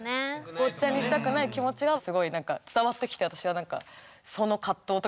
ごっちゃにしたくない気持ちがすごい伝わってきて私はなんかその葛藤とかを考えちゃってましたね。